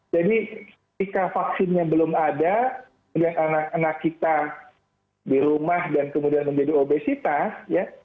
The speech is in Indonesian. jadi ketika vaksinnya belum ada kemudian anak anak kita di rumah dan kemudian menjadi obesitas ya